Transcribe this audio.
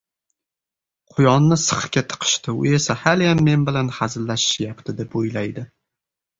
• Quyonni sixga tiqishdi, u esa haliyam men bilan hazillashishyapti deb o‘ylaydi.